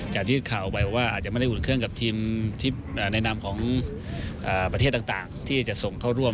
จากที่ข่าวไปว่าอาจจะไม่ได้อุ่นเครื่องกับทีมในนามของประเทศต่างที่จะส่งเข้าร่วม